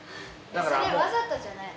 それわざとじゃないの？